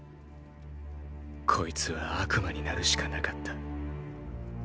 こいつは悪魔になるしかなかった。